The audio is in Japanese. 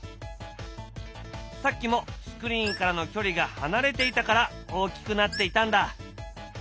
さっきもスクリーンからの距離が離れていたから大きくなっていたんだ。